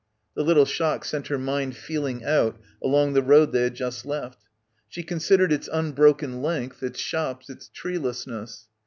The little shock sent her mind feeling out along the road they had just left. She considered its unbroken length, its shops, its treelessness.